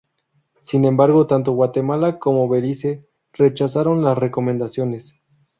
Sin embargo, tanto Guatemala como Belice rechazaron las recomendaciones.